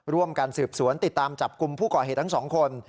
ร่วมกันสืบสวนติดตามจับกลุ่มผู้ก่อเหตุทั้งสองคน